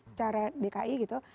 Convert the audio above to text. secara dki gitu